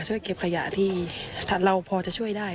ช่วยเก็บขยะที่เราพอจะช่วยได้